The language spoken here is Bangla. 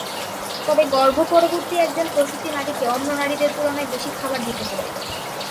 তবে গর্ভ-পরবর্তী একজন প্রসূতি নারীকে অন্য নারীদের তুলনায় বেশি খাবার দিতে হবে।